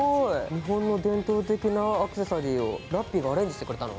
日本の伝統的なアクセサリーをラッピィがアレンジしてくれたの？